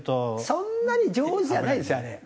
そんなに上手じゃないですよあれ。